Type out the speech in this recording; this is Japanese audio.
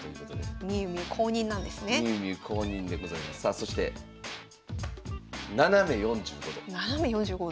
そして「斜め４５度」。